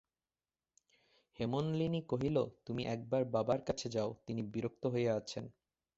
হেমনলিনী কহিল, তুমি এক বার বাবার কাছে যাও, তিনি বিরক্ত হইয়া আছেন।